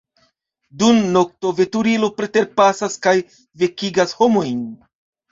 Dum nokto veturilo preterpasas kaj vekigas homojn.